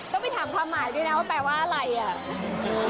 ต้องไปถามความหมายด้วยนะว่าแปลว่าอะไรอ่ะ